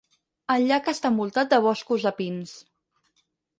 El llac està envoltat de boscos de pins.